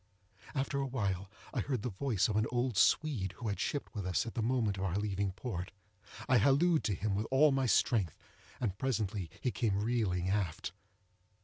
After a while, I heard the voice of an old Swede, who had shipped with us at the moment of our leaving port. I hallooed to him with all my strength, and presently he came reeling aft.